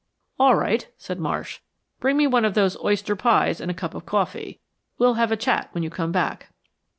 "All right," said Marsh, "bring me one of those oyster pies and a cup of coffee. We'll have a chat when you come back."